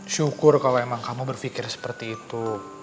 syukur kalau emang kamu berpikir seperti itu